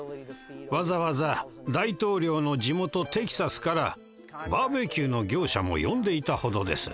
わざわざ大統領の地元テキサスからバーベキューの業者も呼んでいたほどです。